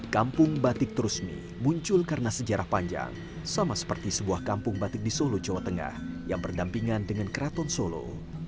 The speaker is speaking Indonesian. kampung batik terusmi muncul karena sejarah panjang sama seperti sebuah kampung batik di solo jawa tengah yang berdampingan dengan keraton solo